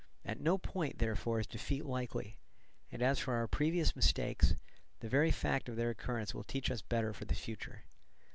At no point, therefore, is defeat likely; and as for our previous mistakes, the very fact of their occurrence will teach us better for the future.